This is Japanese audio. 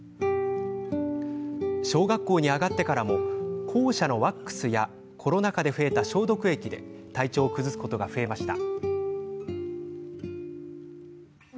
小学校に上がってからも校舎のワックスやコロナ禍で増えた消毒液で体調を崩すことが増えました。